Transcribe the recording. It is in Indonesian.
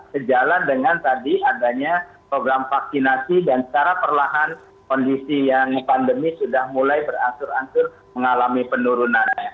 sejalan dengan tadi adanya program vaksinasi dan secara perlahan kondisi yang pandemi sudah mulai berangsur angsur mengalami penurunan